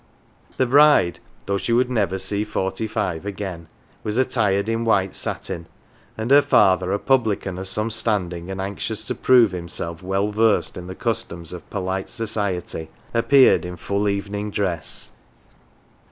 The bride, though she would never see forty five again, was attired in white satin, and her father, a publican of some standing and anxious to prove himself well versed in the customs of polite society, appeared in full evening dress.